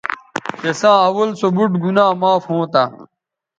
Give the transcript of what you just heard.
تِساں اول سو بُوٹ گنا معاف ھونتہ